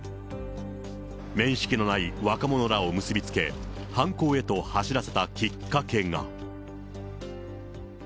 面識のない若者らを結び付け、犯行へと走らせたきっかけが。